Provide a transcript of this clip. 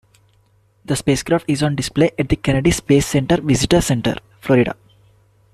The spacecraft is on display at the Kennedy Space Center Visitor Center, Florida.